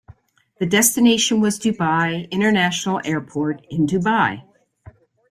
The destination was Dubai International Airport in Dubai.